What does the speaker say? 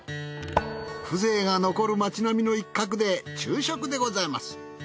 風情が残る町並みの一角で昼食でございます。